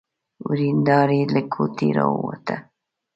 ورېندار يې له کوټې را ووته.